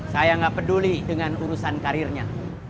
saya nggak peduli dengan urusan karirnya